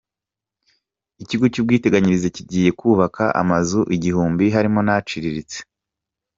Ikigo cyubwiteganyirize kigiye kubaka amazu iguhumbi harimo n’aciriritse